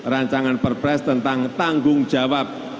rancangan perpres tentang tanggung jawab